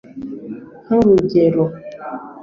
nk’urugero